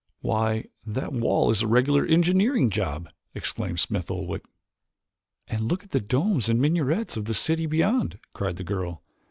"Why, that wall is a regular engineering job," exclaimed Smith Oldwick. "And look at the domes and minarets of the city beyond," cried the girl.